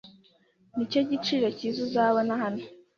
Nicyo giciro cyiza uzabona hano